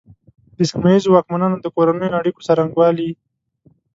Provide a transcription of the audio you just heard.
د سیمه ییزو واکمنانو د کورنیو اړیکو څرنګوالي.